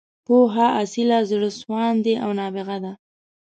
پوهه، اصیله، زړه سواندې او نابغه ده.